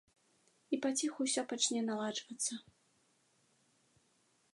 І паціху ўсё пачне наладжвацца.